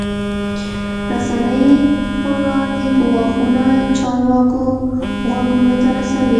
رسنۍ پر وړاندې ګواښونه چارواکو غوږونو ته رسوي.